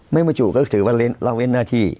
ไม่บรรจุก็คือว่าเล่นหน้าที่